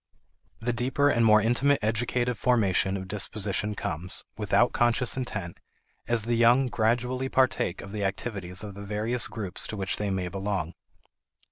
The deeper and more intimate educative formation of disposition comes, without conscious intent, as the young gradually partake of the activities of the various groups to which they may belong.